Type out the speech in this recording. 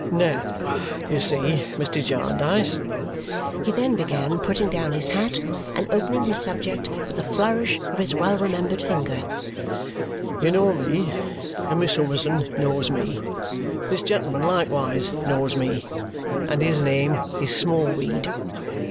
"Now you see, Mr. Jarndyce," he then began, putting down his hat and opening his subject with a flourish of his well remembered finger, "you know me, and Miss Summerson knows me. This gentleman likewise knows me, and his name is Smallweed.